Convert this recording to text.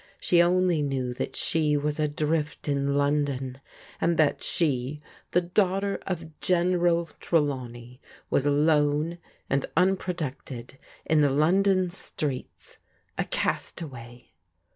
She only knew that she was adrift in London, that she, the daughter of General Tre lawney, was alone and unprotected in the London streets, a castaway.